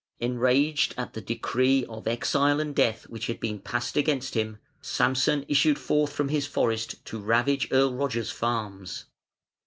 Enraged at the decree of exile and death which had been passed against him, Samson issued forth from his forest to ravage Earl Roger's farms.